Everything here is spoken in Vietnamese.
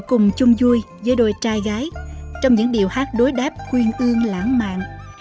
họ cùng chung vui với đôi trai gái trong những điệu hát đối đáp quyên ương lãng mạn